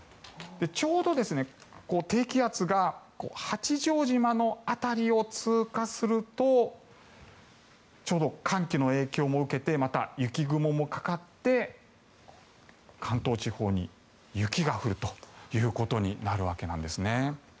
ちょうど低気圧が八丈島の辺りを通過するとちょうど寒気の影響も受けて雪雲もかかって関東地方に雪が降るということになるわけなんです。